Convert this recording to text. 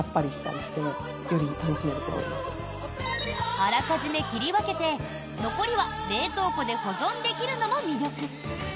あらかじめ切り分けて、残りは冷凍庫で保存できるのも魅力。